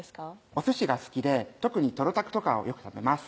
「おすしが好きで特にトロたくとかをよく食べます」